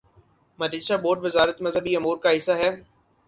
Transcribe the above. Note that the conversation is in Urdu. مدرسہ بورڈوزارت مذہبی امور کا حصہ ہے۔